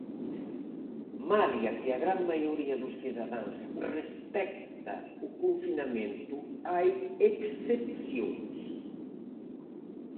Malia que a gran maioría dos cidadáns respecta o confinamento, hai excepcións.